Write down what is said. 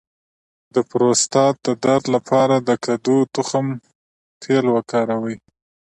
د پروستات د درد لپاره د کدو د تخم تېل وکاروئ